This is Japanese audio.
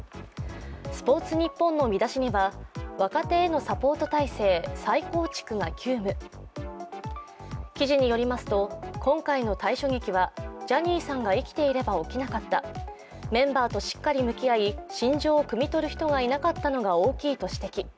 「スポーツニッポン」の見出しには若手へのサポート体制再構築が急務、記事によりますと、今回の退所劇はジャニーさんが生きていれば起きなかった、メンバーとしっかり向き合い心情をくみ取る人がいなかったことが大きいと指摘。